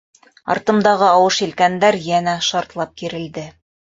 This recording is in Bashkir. Артымдағы ауыш елкәндәр йәнә шартлап кирелде.